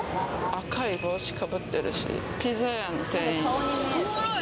赤い帽子かぶってるしピザ屋の店員おもろい！